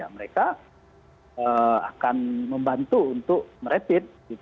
mereka akan membantu untuk merepit